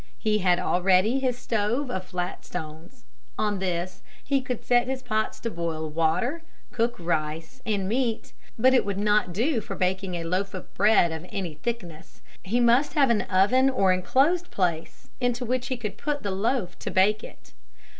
He had already his stove of flat stones. On this he could set his pots to boil water, cook rice, and meat, but it would not do for baking a loaf of bread of any thickness. He must have an oven or enclosed place into which he could put the loaf to bake it.